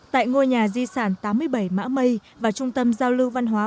tại ngôi nhà di sản tám mươi bảy mã mây và trung tâm giao lưu văn hóa